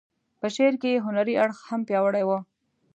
په شعر کې یې هنري اړخ هم پیاوړی و.